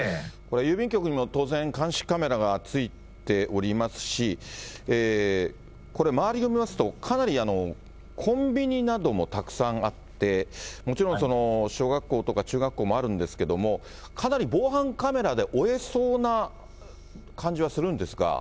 郵便局にも当然、監視カメラが付いておりますし、これ、周りを見ますと、かなりコンビニなどもたくさんあって、もちろん小学校とか中学校もあるんですけども、かなり防犯カメラで追えそうな感じはするんですが。